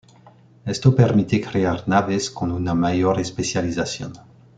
Esto permite crear naves con una mayor especialización.